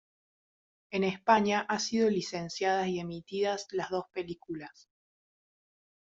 En España ha sido licenciadas y emitidas las dos películas.